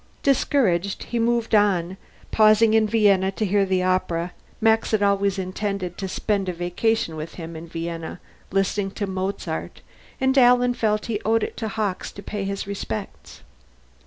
Discouraged, he moved on, pausing in Vienna to hear the opera Max had always intended to spend a vacation with him in Vienna, listening to Mozart, and Alan felt he owed it to Hawkes to pay his respects.